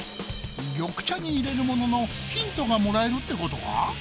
緑茶に入れるもののヒントがもらえるってことか？